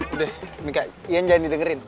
udah mika ian jangan didengerin